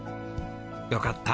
よかった！